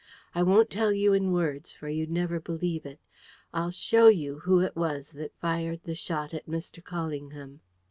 I won't tell you in words, for you'd never believe it. I'll SHOW you who it was that fired the shot at Mr. Callingham."